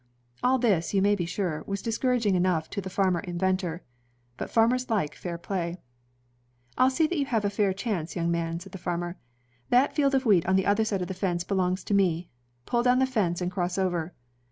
, All this, you may be sure, was disa)uraging enough to the farmer inventor. But farmers like fair play. ^ VcCORUlCK S 1831 1834, "I'll see that you have a fair chance, young man," said a farmer. "That field of wheat on the other side of the fence belongs to me. Pull down the fence and cross over."